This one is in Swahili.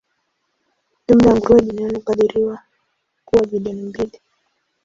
Jumla ya nguruwe duniani hukadiriwa kuwa bilioni mbili.